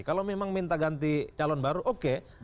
kalau memang minta ganti calon baru oke